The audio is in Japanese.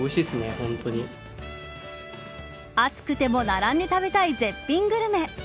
暑くても並んで食べたい絶品グルメ。